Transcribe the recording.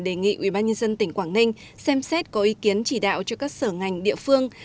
đề nghị ubnd tỉnh quảng ninh xem xét có ý kiến chỉ đạo cho các sở ngành địa phương